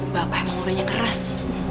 bapak emang mulainya keras